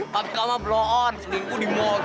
papi kamu blohon selingkuh di mall